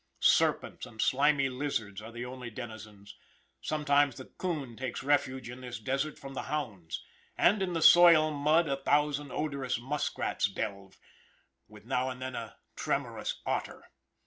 Serpents and slimy lizards are the only denizens; sometimes the coon takes refuge in this desert from the hounds, and in the soil mud a thousand odorous muskrats delve, with now and then a tremorous otter.